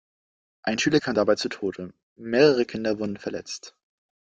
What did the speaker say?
Ein Schüler kam dabei zu Tode, mehrere Kinder wurden verletzt.